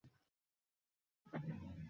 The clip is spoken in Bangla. তাদের সুসংবাদ দিতে লাগলেন।